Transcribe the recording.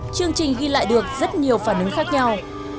chương trình ghi lại được rất nhiều phản ứng khác nhau